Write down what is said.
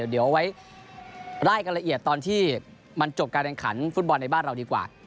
เดี๋ยวเอาไว้ไล่กันละเอียดตอนที่มันจบการแข่งขันฟุตบอลในบ้านเราดีกว่า